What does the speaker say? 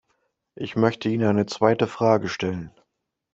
Ich möchte Ihnen eine zweite Frage stellen.